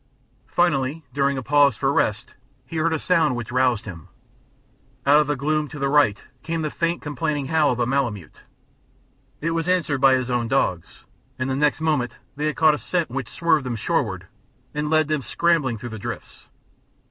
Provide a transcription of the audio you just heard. Finally, during a pause for rest he heard a sound which roused him. Out of the gloom to the right came the faint complaining howl of a malemute; it was answered by his own dogs, and the next moment they had caught a scent which swerved them shoreward and led them scrambling through the drifts.